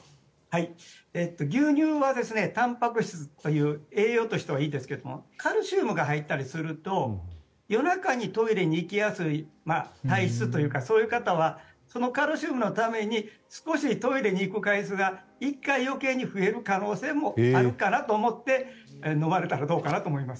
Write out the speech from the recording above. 牛乳はたんぱく質という栄養としてはいいですがカルシウムが入ったりすると夜中にトイレに行きやすい体質というかそういう方はカルシウムのために少しトイレに行く回数が１回余計に増える可能性もあるかなと思って飲まれたらどうかなと思います。